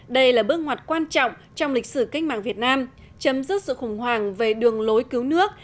đây là bước ngoặt quan trọng trong lịch sử cách mạng việt nam chấm dứt sự khủng hoảng về đường lối cứu nước